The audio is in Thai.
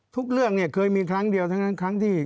เรื่องเนี่ยเคยมีครั้งเดียวทั้งนั้นครั้งที่